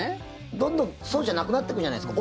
どんどん、そうじゃなくなってくるじゃないですか。